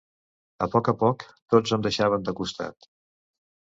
A poc a poc tots em deixaven de costat...